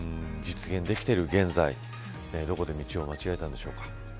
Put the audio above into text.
実現できている現在どこで道を間違えたんでしょうか。